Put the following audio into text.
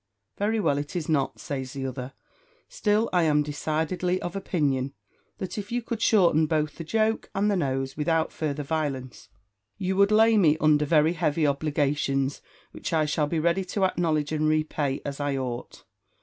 "Very well, it is not," says the other; "still, I am decidedly of opinion, that if you could shorten both the joke and the nose without further violence, you would lay me under very heavy obligations, which I shall be ready to acknowledge and repay as I ought."